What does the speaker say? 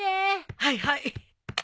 はいはい。